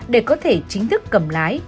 để có thể chính thức cầm lái